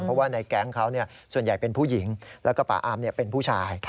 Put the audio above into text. เพราะว่าในแก๊งเขาส่วนใหญ่เป็นผู้หญิงแล้วก็ป่าอามเป็นผู้ชาย